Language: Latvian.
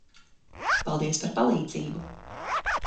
Paldies par palīdzību.